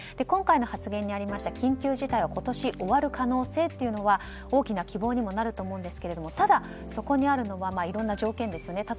今回の発言にありました緊急事態は今年終わる可能性というのは大きな希望にもなると思いますがただ、そこにあるのはいろんな条件ですね。